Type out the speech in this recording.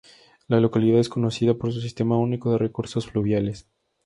La localidad es conocida por su sistema único de recursos fluviales.